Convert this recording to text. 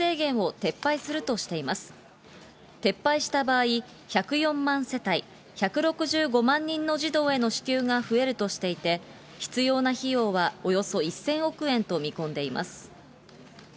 撤廃した場合、１０４万世帯１６５万人の児童への支給が増えるとしていて、必要な費用はおよそ１０００億円と見込んでいます。